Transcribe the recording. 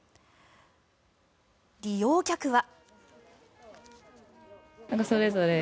利用客は。